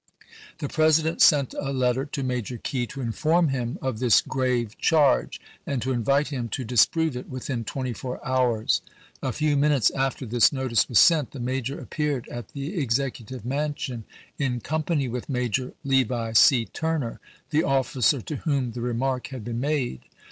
The President sent a letter to Major Key to inform him of this grave charge, and to invite him to disprove it within twenty four hours. A few minutes after this notice was sent, the major ap peared at the Executive Mansion in company with Major Levi C. Turner, the officer to whom the re mark had been made.